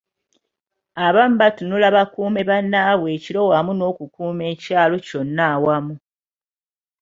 Abamu batunula bakuume bannaabwe ekiro wamu n’okukuuma ekyalo kyonna awamu.